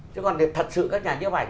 chứ còn thật sự các nhà nhiếp ảnh